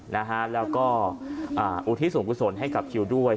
นะหาอู่ทิศอุมกุศลให้กับคิวด้วย